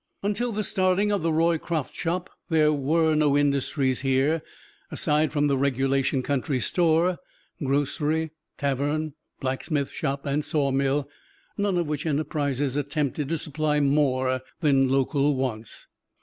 Until the starting of the Roycroft Shop, there were no industries here, aside from the regulation country store, grocery, tavern, blacksmith shop and sawmill none of which enterprises attempted to supply more than local wants.